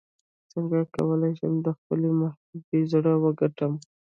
څنګه کولی شم د خپلې محبوبې زړه وګټم